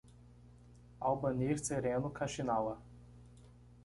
Albanir Sereno Kaxinawa